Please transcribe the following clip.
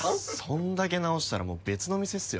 そんだけ直したらもう別の店っすよ